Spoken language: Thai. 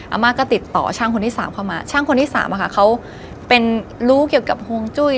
อาม่าก็ติดต่อช่างคนที่สามเข้ามาช่างคนที่สามอะค่ะเขาเป็นรู้เกี่ยวกับฮวงจุ้ย